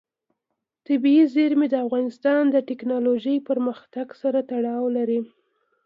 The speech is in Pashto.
طبیعي زیرمې د افغانستان د تکنالوژۍ پرمختګ سره تړاو لري.